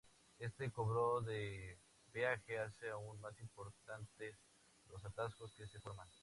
Este cobro de peaje hace aún más importantes los atascos que se forman.